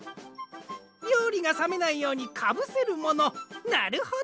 りょうりがさめないようにかぶせるものなるほど。